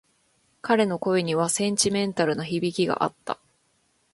彼の声にはセンチメンタルな響きがあった。